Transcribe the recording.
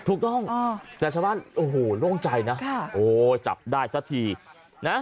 ถูกต้องแต่ชาวบ้านโอ้โหโล่งใจนะโอ้จับได้สักทีนะ